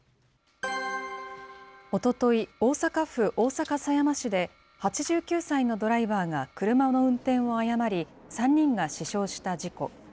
おととい、大阪府大阪狭山市で、８９歳のドライバーが車の運転を誤り、３人が死傷した事故。